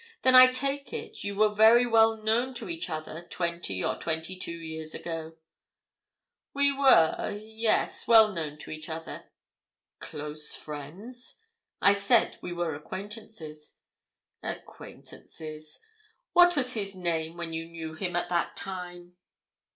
Then, I take it, you were very well known to each other twenty or twenty two years ago?" "We were—yes, well known to each other." "Close friends?" "I said we were acquaintances." "Acquaintances. What was his name when you knew him at that time?"